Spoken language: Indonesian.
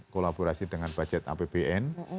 kolaborasi dengan budget apbn